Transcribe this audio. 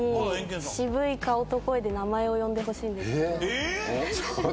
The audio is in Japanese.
えっ？